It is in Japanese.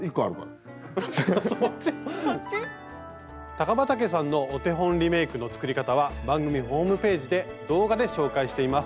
高畠さんのお手本リメイクの作り方は番組ホームページで動画で紹介しています。